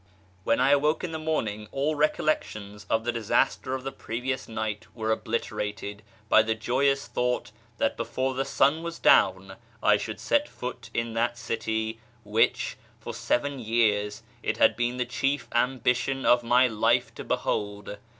When I awoke in the morning all recollections of the disaster of the previous night were obliterated by the joyous thought that before tlie sun was down I should set foot in that city which, for seven years, it had been the chief ambition of my life to behold.